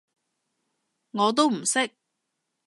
我都唔識